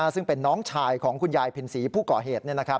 ซึ่งเป็นน้องชายของคุณยายพินศรีผู้ก่อเหตุ